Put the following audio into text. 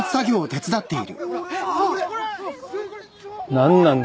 何なんだ？